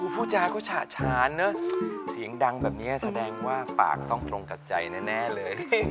วิธีคุณคิดดูเนี่ยเสียงดังแบบนี้แสดงว่าปากต้องตรงกับใจแน่เลย